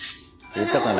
言ったかな？